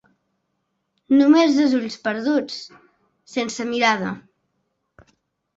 Només dos ulls perduts, sense mirada.